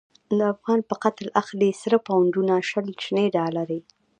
د افغان په قتل اخلی، سره پونډونه شنی ډالری